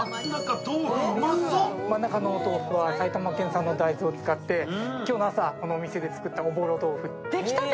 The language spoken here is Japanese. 真ん中のお豆腐は埼玉県産の大豆を使って今日の朝このお店で作ったおぼろ豆腐。